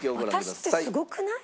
私ってすごくない？